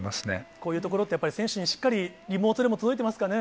こういうところって、やっぱり選手にしっかり、リモートでも届いてますかね？